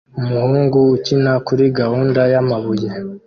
Umuhungu ukina kuri gahunda yamabuye